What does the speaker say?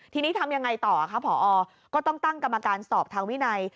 ทีนี้ทำยังไงต่อคะผอก็ต้องตั้งกรรมการสอบทางวินัย